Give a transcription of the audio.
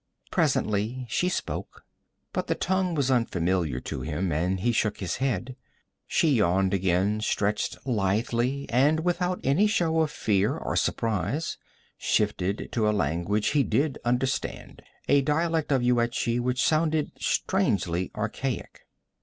Presently she spoke, but the tongue was unfamiliar to him, and he shook his head. She yawned again, stretched lithely, and without any show of fear or surprize, shifted to a language he did understand, a dialect of Yuetshi which sounded strangely archaic.